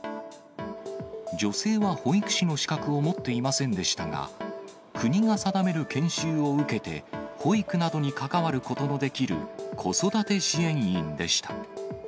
女性は保育士の資格を持っていませんでしたが、国が定める研修を受けて、保育などに関わることのできる子育て支援員でした。